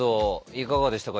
いかがでしたか？